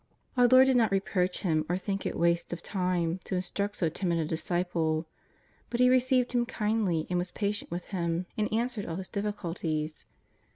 Our Lord did not reproach him or think it waste of time to instruct so timid a disciple. But He received him kindly and was patient with him, and answered all his difficulties.